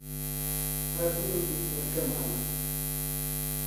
هەر من و دکتۆر کەمال